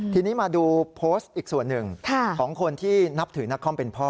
ทีนี้มาดูโพสต์อีกส่วนหนึ่งของคนที่นับถือนักคอมเป็นพ่อ